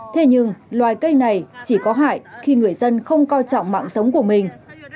thế nhưng loài cây này chỉ có hại khi người dân không coi trọng mạng sống của mình